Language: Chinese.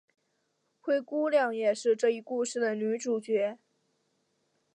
灰姑娘也是这一故事的女主角。